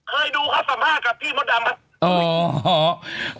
เคยดูเขาสัมภาษณ์กับพี่มดดำครับ